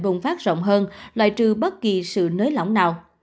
bùng phát rộng hơn loại trừ bất kỳ sự nới lỏng nào